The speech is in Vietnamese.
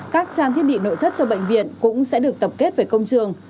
các trang thiết bị nội thất cho bệnh viện cũng sẽ được tập kết về công trường